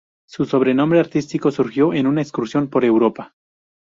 Su sobrenombre artístico surgió en una excursión por Europa.